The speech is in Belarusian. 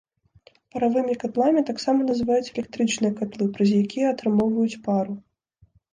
Паравымі катламі таксама называюць электрычныя катлы, праз якія атрымоўваюць пару.